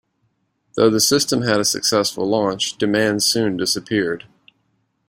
Though the system had a successful launch, demand soon disappeared.